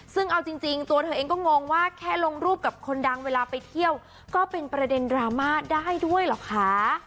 ซึ่งเอาจริงตัวเธอเองก็งงว่าแค่ลงรูปกับคนดังเวลาไปเที่ยวก็เป็นประเด็นดราม่าได้ด้วยเหรอคะ